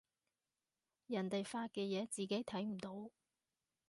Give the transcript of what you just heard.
人哋發嘅嘢自己睇唔到